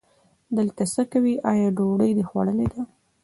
دلته څه کوې، آیا ډوډۍ دې خوړلې ده؟